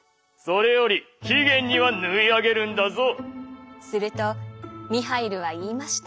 それより期限には縫いあげるんだぞ」。